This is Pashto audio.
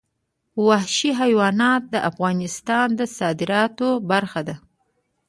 وحشي حیوانات د افغانستان د صادراتو برخه ده.